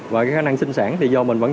và đây là cái cuộc sống cho người bệnh